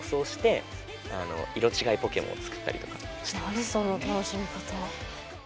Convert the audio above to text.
何その楽しみ方。